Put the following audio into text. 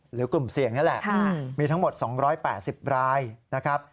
กลุ่มเสี่ยงนี่แหละมีทั้งหมด๒๘๐รายนะครับ